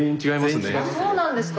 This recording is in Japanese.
あっそうなんですか。